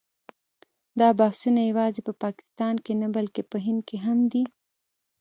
دا بحثونه یوازې په پاکستان کې نه بلکې په هند کې هم دي.